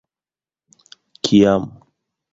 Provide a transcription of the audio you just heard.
- Kiam?